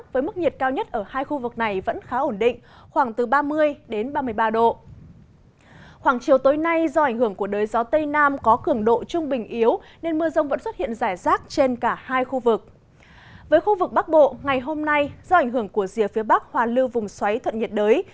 với khu vực bắc bộ ngày hôm nay do ảnh hưởng của rìa phía bắc hoa lưu vùng xoáy thuận nhiệt đới